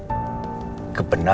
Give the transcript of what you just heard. dan ada orang yang nyerang dia